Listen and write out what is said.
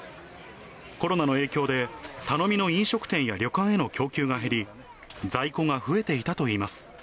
コロナの影響で、頼みの飲食店や旅館への供給が減り、在庫が増えていたといいます。